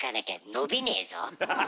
伸びねえ。